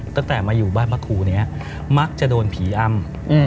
ตั้งแต่มาอยู่บ้านพระครูนี้มักจะโดนผีอ้ำ